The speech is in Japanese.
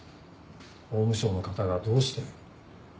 法務省の方がどうして？